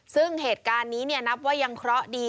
ซึ่งเหตุการณ์นี้นับว่ายังเคราะห์ดี